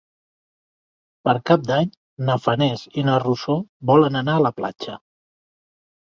Per Cap d'Any na Farners i na Rosó volen anar a la platja.